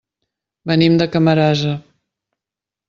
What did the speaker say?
Venim de Camarasa.